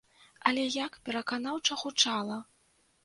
Але як пераканаўча гучала!